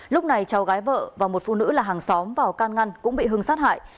lúc này cháu gái vợ và một phụ nữ là hàng xóm vào can ngăn cũng bị hưng sát hại